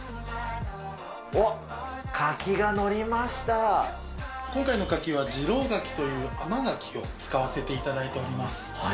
おっ、今回の柿は、次郎柿という甘柿を使わせていただいております。